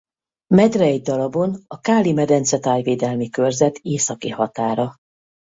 Medre egy darabon a Káli Medence Tájvédelmi Körzet északi határa.